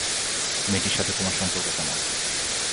মেয়েটির সাথে তোমার সম্পর্ক কেমন?